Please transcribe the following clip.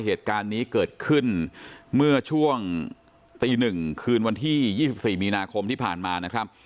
เหตุการณ์นี้เกิดขึ้นเมื่อช่วงตี๑คืนวันที่๒๔มีนาคมที่ผ่านมานะครับ